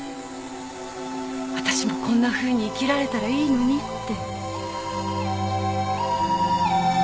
私もこんなふうに生きられたらいいのにって。